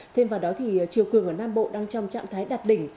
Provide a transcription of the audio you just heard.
thêm vào đó thì chiều cường ở nam bộ đang trong trạng thái đạt đỉnh